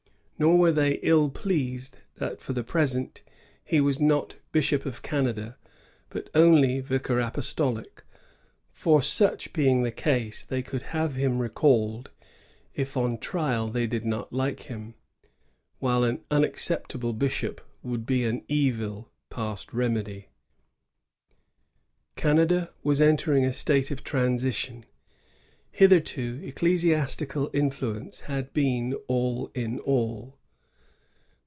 Nor were they ill pleased thati for the present, he was not Bishop of Canada, 1650.] APPROACHING CHANGE. 165 but only vicar apostolic; for Buch being the case, they could have him recalled if on trial they did not like him, while an unacceptable bishop would be an evil past remedy. Canada was entering a state of transition. Hitherto ecclesiastical influence had been all in all.